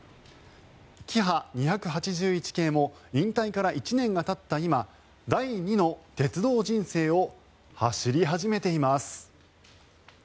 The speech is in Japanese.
キハ２８１系も引退から１年がたった今第２の鉄道人生を走り始めています。